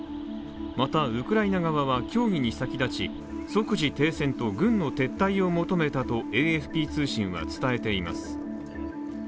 またウクライナ側は、協議に先立ち、即時停戦と軍の撤退を求めたとＡＦＰ通信は伝えています。